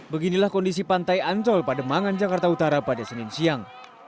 beginilah kondisi pantai ancol pada mangan jakarta utara pada senin siang